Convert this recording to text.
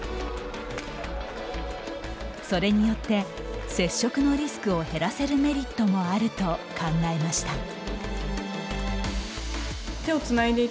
それによって接触のリスクを減らせるメリットもあると考えました。